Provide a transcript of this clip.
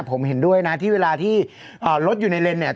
ผมเห็นด้วยนะที่เวลาที่รถอยู่ในเลนเนี่ย